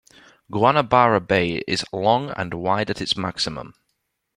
Guanabara Bay is long and wide at its maximum.